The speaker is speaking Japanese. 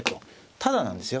タダなんですよ。